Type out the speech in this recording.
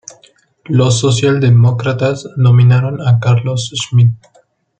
Los social-demócratas nominaron a Carlo Schmid.